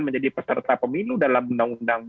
menjadi peserta pemilu dalam undang undang